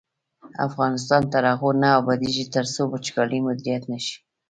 افغانستان تر هغو نه ابادیږي، ترڅو وچکالي مدیریت نشي.